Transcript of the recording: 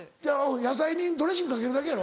野菜にドレッシングかけるだけやろ？